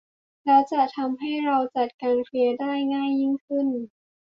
แล้วจะทำให้เราจัดการเคลียร์ได้ง่ายยิ่งขึ้น